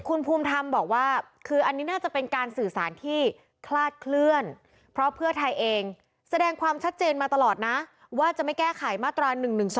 คุณภูมิธรรมบอกว่าคืออันนี้น่าจะเป็นการสื่อสารที่คลาดเคลื่อนเพราะเพื่อไทยเองแสดงความชัดเจนมาตลอดนะว่าจะไม่แก้ไขมาตรา๑๑๒